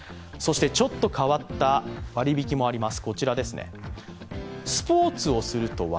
ちょっと変わった割引もあります。